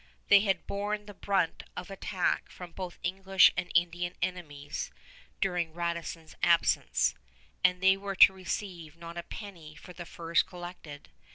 They had borne the brunt of attack from both English and Indian enemies during Radisson's absence, and they were to receive not a penny for the furs collected.